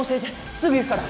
すぐ行くから！